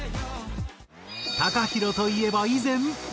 ＴＡＫＡＨＩＲＯといえば以前。